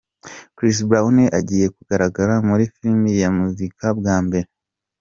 Chris Brown agiye kugaragara muri Film ya muzika bwa mbere.